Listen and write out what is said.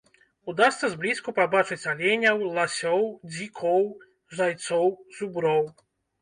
Удасца зблізку пабачыць аленяў, ласёў, дзікоў, зайцоў, зуброў.